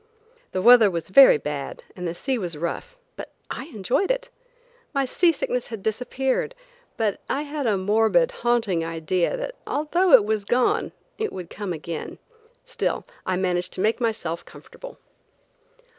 The weather was very bad, and the sea was rough, but I enjoyed it. My sea sickness had disappeared, but I had a morbid, haunting idea, that although it was gone, it would come again, still I managed to make myself comfortable.